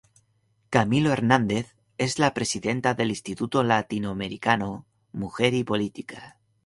Camilo Hernández es la Presidenta del Instituto Latinoamericano Mujer y Política.